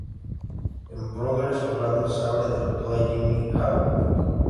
En Progress Orlando, Sabre derrotó a Jimmy Havoc.